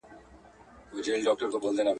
که ماشوم ته مینه ورکړو، نو د ټولنې برخه ګرځي.